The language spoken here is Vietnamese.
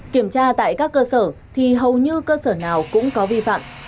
kiểm tra tại các cơ sở thì hầu như cơ sở nào cũng có vi phạm